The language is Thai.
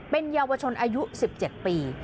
เป็นเยาวชนอายุ๑๗ปี